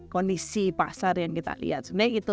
kondisi pasar yang kita lihat sebenarnya itu